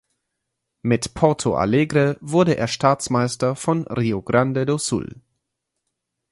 Mit Porto Alegre wurde er Staatsmeister von Rio Grande do Sul.